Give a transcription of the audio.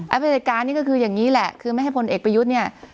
พฤติการนี่ก็คืออย่างนี้แหละคือไม่ให้พลเอกประยุทธ์เนี่ย